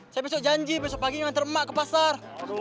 saya besok janji besok pagi nyonter emak ke pasar